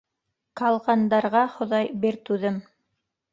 Калғандарға, Хоҙай, бир түҙем.